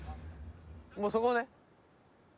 もうそこね。